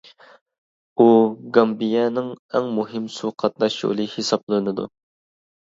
ئۇ گامبىيەنىڭ ئەڭ مۇھىم سۇ قاتناش يولى ھېسابلىنىدۇ.